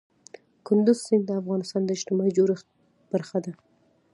کندز سیند د افغانستان د اجتماعي جوړښت برخه ده.